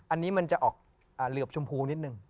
อันนี้มันจะออกเหลือบชมพูนิดนึง